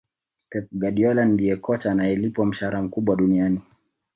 Pep Guardiola ndiye kocha anayelipwa mshahara mkubwa duniani